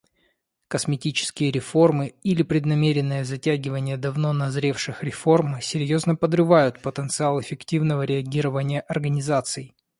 Косметические реформы или преднамеренное затягивание давно назревших реформ серьезно подрывают потенциал эффективного реагирования организаций.